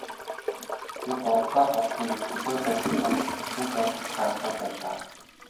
Би гуравдугаар хурлын үед хөдөө байсан тул тэнд танилцах аргагүй байлаа.